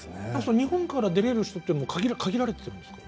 日本から出られるのは限られているんですか。